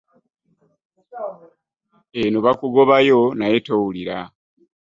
Eno baakugobayo naye towulira.